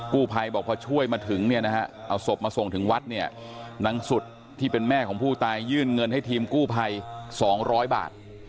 ภัยบอกพอช่วยมาถึงเนี่ยนะฮะเอาศพมาส่งถึงวัดเนี่ยนางสุดที่เป็นแม่ของผู้ตายยื่นเงินให้ทีมกู้ภัย๒๐๐บาท